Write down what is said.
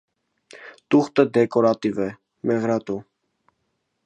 Տուղտը դեկորատիվ է, մեղրատու։